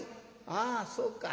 「ああそうか。